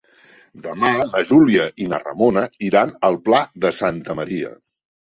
Demà na Júlia i na Ramona iran al Pla de Santa Maria.